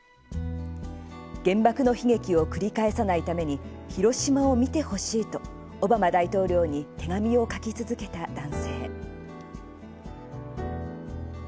原爆の悲劇を繰り返さないために広島を見てほしいとオバマ大統領に手紙を書き続けた男性。